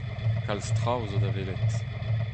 Kalz traoù zo da welet.